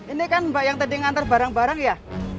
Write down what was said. ini kan mbak yang tadi ngantar barang barang ya